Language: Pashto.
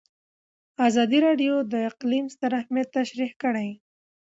ازادي راډیو د اقلیم ستر اهميت تشریح کړی.